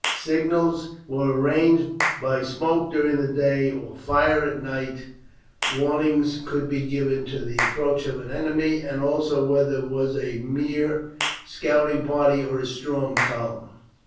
Signals were arranged by which by smoke during day or fire at night warning could be given of the approach of an enemy, and also whether it was a mere scouting party or a strong column.